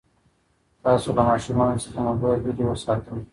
تاسو له ماشومانو څخه موبایل لرې وساتئ.